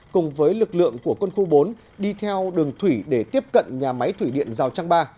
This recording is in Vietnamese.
cùng với lực lượng của quân khu bốn đi theo đường thủy để tiếp cận nhà máy thủy điện giao trang ba